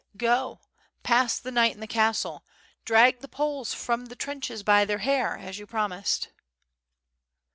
"Go, pass the night in the castle, drag the Poles from the trenches by their hair as you promised."